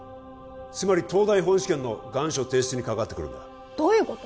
つまり東大本試験の願書提出に関わってくるんだどういうこと？